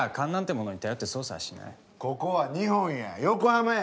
ここは日本や横浜や。